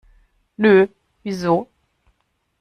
Nö, wieso?